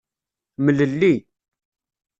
Mlelli.